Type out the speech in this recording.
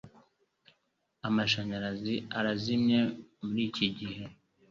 Amashanyarazi arazimye muriki gihe.